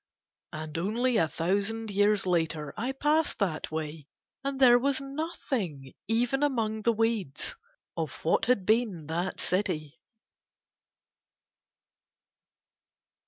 And only a thousand years later I passed that way, and there was nothing, even among the weeds, of what had been that city.